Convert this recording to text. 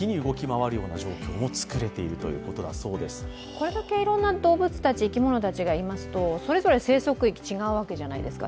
これだけいろんな動物たち、生き物たちがいますとそれぞれ生息域違うわけじゃないですか。